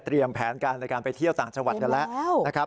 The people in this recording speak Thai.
แผนการในการไปเที่ยวต่างจังหวัดกันแล้วนะครับ